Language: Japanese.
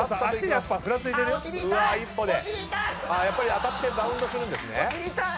当たってバウンドするんですね。